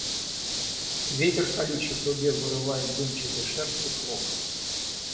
Ветер колючий трубе вырывает дымчатой шерсти клок.